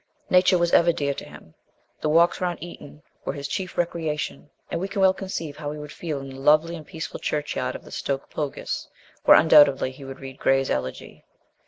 Nature was ever dear to him ; the walks round Eton were his chief recreation, and we can well conceive how he would feel in the lovely and peaceful churchyard of Stoke Pogis, where undoubtedly he would read Gray's Elegy.